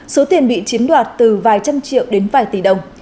số tiền bị chiến đoạt từ vài trăm triệu đến vài tỷ đồng